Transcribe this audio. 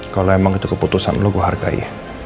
kalau memang itu keputusan lo gue hargai